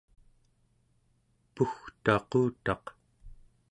pugtaqutaq